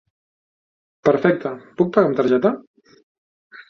Perfecte, puc pagar amb targeta?